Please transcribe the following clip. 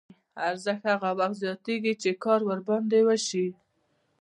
ارزښت هغه وخت زیاتېږي چې کار ورباندې وشي